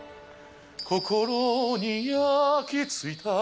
心に焼きついた。